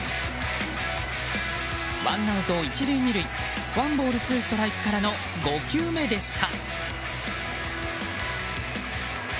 ワンアウト１塁２塁ワンボールツーストライクからの５球目でした。